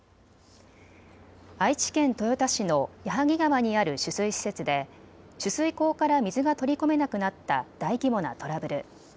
愛知県豊田市の矢作川にある取水施設で取水口から水が取り込めなくなった大規模なトラブル。